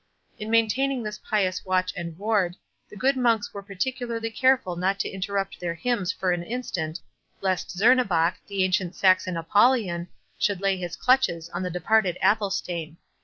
In maintaining this pious watch and ward, the good monks were particularly careful not to interrupt their hymns for an instant, lest Zernebock, the ancient Saxon Apollyon, should lay his clutches on the departed Athelstane.